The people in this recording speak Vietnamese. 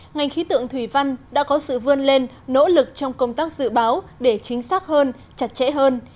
ngành khí tượng thủy văn đã có sự vươn lên nỗ lực trong công tác dự báo để chính xác hơn chặt chẽ hơn